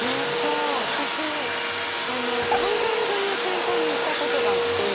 私海岸沿いの店舗に行ったことがあって。